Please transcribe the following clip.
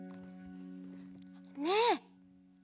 ねえ。